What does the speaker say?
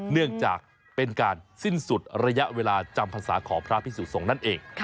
เนื่องจากเป็นการสิ้นสุดระยะเวลาจำพรรษาของพระพิสุสงฆ์นั่นเอง